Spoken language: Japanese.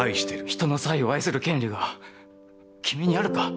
「人の妻を愛する権利が君にあるか」。